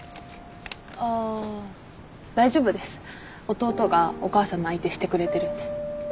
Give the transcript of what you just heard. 弟がお母さんの相手してくれてるんで。